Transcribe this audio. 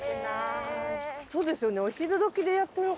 そうですよね。